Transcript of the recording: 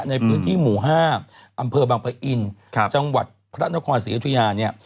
ในพื้นที่หมู่๕อำเภอบางพระอินทร์จังหวัดพระนครศรีธุญา